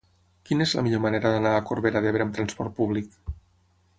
Quina és la millor manera d'anar a Corbera d'Ebre amb trasport públic?